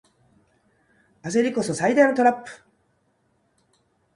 焦りこそ最大のトラップ